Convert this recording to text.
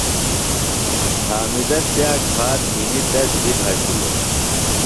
حامدہ سِیاک ہات گِھنیۡ تس بیۡ گھشِلوۡ۔